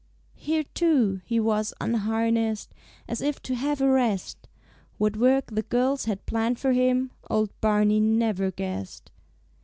Here, too, he was unharnessed, As if to have a rest; What work the girls had planned for him Old Barney never guessed.